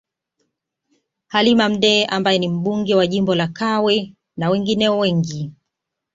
Halima Mdee ambaye ni Mbunge wa jimbo la Kawe na wengineo wengi